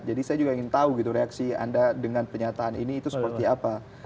jadi saya juga ingin tahu reaksi anda dengan pernyataan ini itu seperti apa